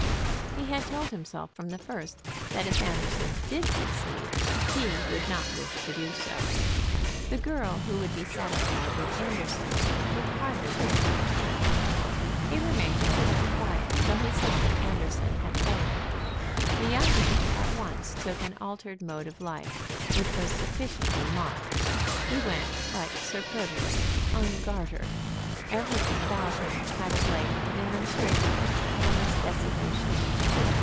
He had told himself from the first that if Anderson did succeed he would not wish to do so. The girl who would be satisfied with Anderson would hardly content him. He remained therefore quiet till he saw that Anderson had failed. The young man at once took to an altered mode of life which was sufficiently marked. He went, like Sir Proteus, ungartered. Everything about him had of late "demonstrated a careless desolation."